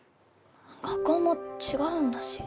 学校も違うんだし。